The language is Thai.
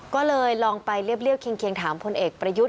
ก็เลยลองไปเรียบเคียงถามพลเอกประยุทธ์